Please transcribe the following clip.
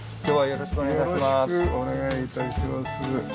よろしくお願いします。